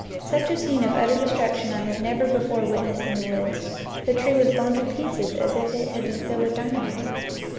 Such a scene of utter de struction I have never before witnessed in the woods. The tree was blown to pieces as if it had been filled with dynamite.